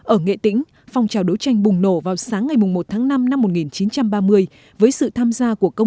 ở nghệ tĩnh phong trào đấu tranh bùng nổ vào sáng ngày một tháng năm năm một nghìn chín trăm ba mươi với sự tham gia của công